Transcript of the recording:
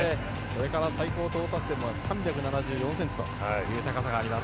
最高到達点は３７４ｃｍという高さがあります